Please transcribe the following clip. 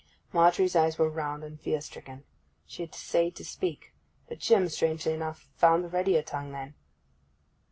Margery's eyes were round and fear stricken. She essayed to speak, but Jim, strangely enough, found the readier tongue then.